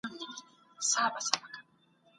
خپل ځان له هر ډول ککړتیا څخه وساتئ.